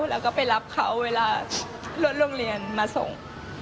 แล้วก็ไปรับเขาเวลารถโรงเรียนมาส่ง